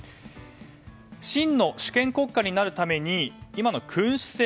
真の主権国家になるために今の君主制